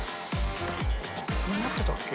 こうなってたっけ？